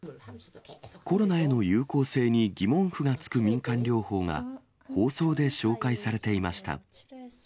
コロナへの有効性に疑問符がつく民間療法が、放送で紹介されていました。